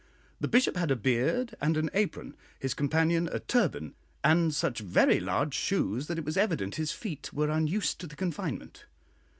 The Bishop had a beard and an apron, his companion a turban, and such very large shoes, that it was evident his feet were unused to the confinement.